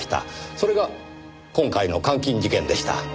それが今回の監禁事件でした。